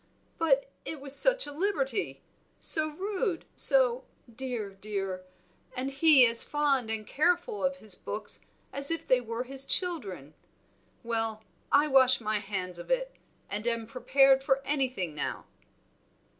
"But it was such a liberty, so rude, so dear, dear; and he as fond and careful of his books as if they were his children! Well, I wash my hands of it, and am prepared for anything now!"